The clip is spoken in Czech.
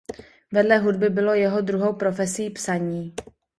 Vedle hudby bylo jeho druhou profesí psaní.